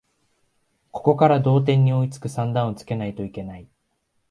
ここから同点に追いつく算段をつけないといけない